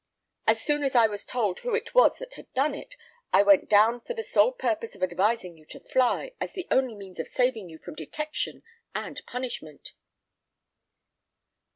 As soon as I was told who it was that had done it, I went down for the sole purpose of advising you to fly, as the only means of saving you from detection and punishment."